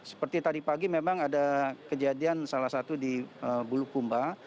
seperti tadi pagi memang ada kejadian salah satu di bulukumba